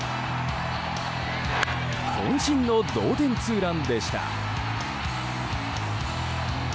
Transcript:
渾身の同点ツーランでした。